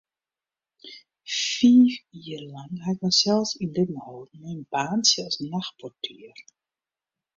Fiif jier lang ha ik mysels yn libben holden mei in baantsje as nachtportier.